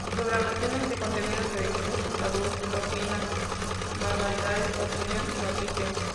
Su programación es de contenido religioso, salud, cocina, manualidades, opinión y noticias.